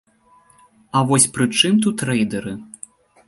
А вось пры чым тут рэйдэры?